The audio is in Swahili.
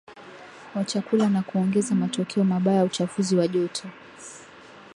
wa chakula na kuongeza matokeo mabayaUchafuzi wa joto